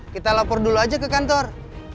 kita lapor dulu aja ke kantor